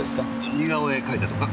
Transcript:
似顔絵描いたとか？